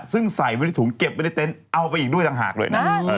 ซึ่งใส่ไว้ในถุงเก็บไว้ในเต็นต์เอาไปอีกด้วยต่างหากเลยนะ